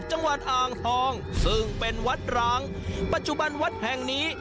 จังหวัดอ่างทองซึ่งเป็นวัดร้างปัจจุบันวัดแห่งนี้